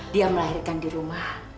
dia melahirkan di rumah